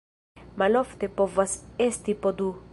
Malofte povas esti po du.